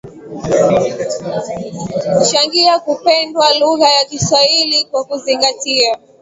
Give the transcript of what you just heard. changia kupendwa lugha ya Kiswahili Kwa kuzingatia